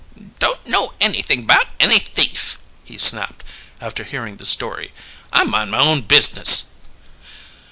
"Don't know anything about any thief," he snapped, after hearing the story. "I mind my own business."